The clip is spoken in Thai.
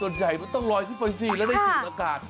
ใหญ่มันต้องลอยขึ้นไปสิแล้วได้สูบอากาศ